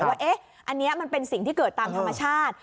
ว่าอันนี้มันเป็นสิ่งที่เกิดตามธรรมชาติ